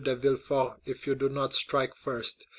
de Villefort, if you do not strike first!